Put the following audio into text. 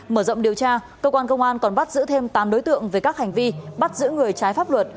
mở rộng điều tra cơ quan công an còn bắt giữ thêm tám đối tượng về các hành vi bắt giữ người trái pháp luật